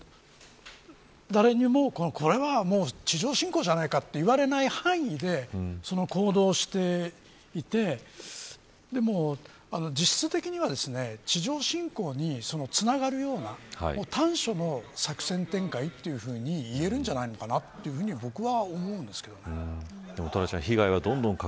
これは地上侵攻じゃないかと言われない範囲で行動していて実質的には地上侵攻につながるような端緒の作戦展開というふうにいえるんじゃないのかなというふうに僕は思うんですけどね。